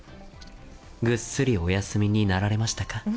ぐっすりお休みになられましたか。